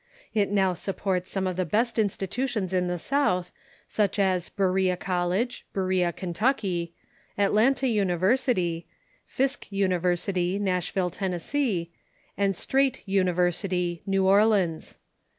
It now supports some of the best institutions in the South, such as Berea College, Berea, Kentucky ; Atlanta University ; Fisk University, Nashville, Tennessee ; and Straight University, New Orleans.